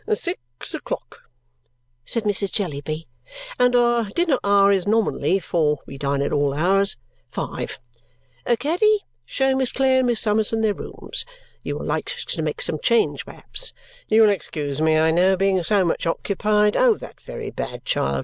"Six o'clock!" said Mrs. Jellyby. "And our dinner hour is nominally (for we dine at all hours) five! Caddy, show Miss Clare and Miss Summerson their rooms. You will like to make some change, perhaps? You will excuse me, I know, being so much occupied. Oh, that very bad child!